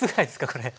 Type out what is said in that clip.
これ。